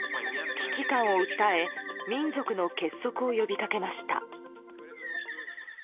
危機感を訴え民族の結束を呼びかけました。